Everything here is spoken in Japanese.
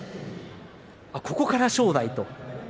ここから正代と。